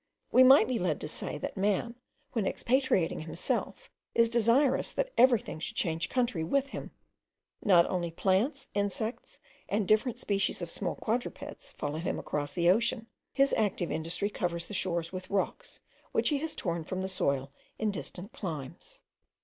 We might be led to say, that man, when expatriating himself; is desirous that everything should change country with him. Not only plants, insects, and different species of small quadrupeds, follow him across the ocean; his active industry covers the shores with rocks, which he has torn from the soil in distant climes.